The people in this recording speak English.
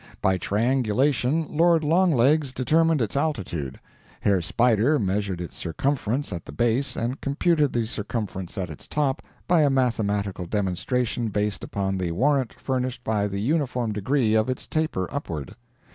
By triangulation Lord Longlegs determined its altitude; Herr Spider measured its circumference at the base and computed the circumference at its top by a mathematical demonstration based upon the warrant furnished by the uniform degree of its taper upward.